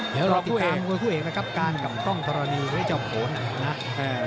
เดี๋ยวเราติดตามคุณผู้เอกนะครับการกับกล้องตรณีไว้เจ้าโผล่นะครับ